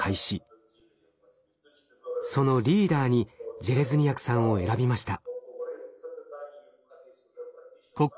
そのリーダーにジェレズニヤクさんを選びました。